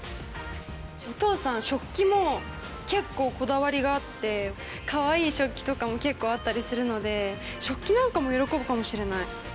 お父さん食器も結構こだわりがあってかわいい食器とかも結構あったりするので食器なんかも喜ぶかもしれない。